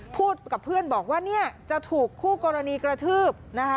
พูดกับเพื่อนบอกว่าจะถูกคู่กรณีกระทืบ